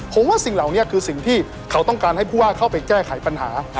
ผมว่าสิ่งเหล่านี้คือสิ่งที่เขาต้องการให้ผู้ว่าเข้าไปแก้ไขปัญหา